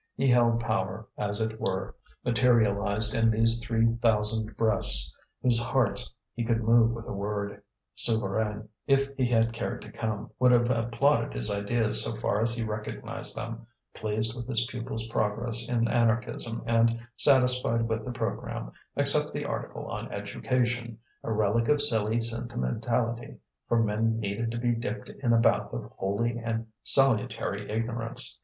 He held power, as it were, materialized in these three thousand breasts, whose hearts he could move with a word. Souvarine, if he had cared to come, would have applauded his ideas so far as he recognized them, pleased with his pupil's progress in anarchism and satisfied with the programme, except the article on education, a relic of silly sentimentality, for men needed to be dipped in a bath of holy and salutary ignorance.